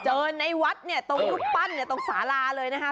เจอในวัดตรงรูปปั้นตรงสาราเลยนะคะ